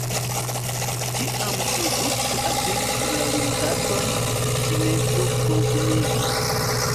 Kiam produkto atingis la limdaton, ĝi ne plu konsumiĝu.